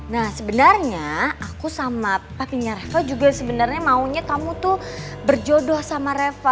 nah sebenernya aku sama papinya reva juga sebenernya maunya kamu tuh berjodoh sama reva